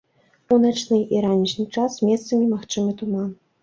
У начны і ранішні час месцамі магчымы туман.